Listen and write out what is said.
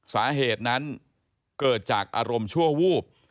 สาเหตุนั้นเกิดจากอารมณ์ชั่ววูบ